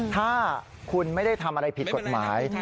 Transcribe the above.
ถ้าคุณไม่ได้ทำอะไรผิดกฎหมาย